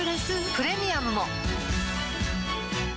プレミアムも